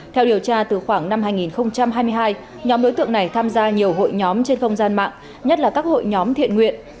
theo điều tra từ khoảng năm hai nghìn hai mươi hai nhóm đối tượng này tham gia nhiều hội nhóm trên không gian mạng nhất là các hội nhóm thiện nguyện